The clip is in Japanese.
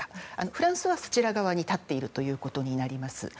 フランスはそちら側に立っているということになります。